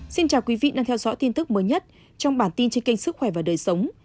xin chào quý vị đang theo dõi tin tức mới nhất trong bản tin trên kênh sức khỏe và đời sống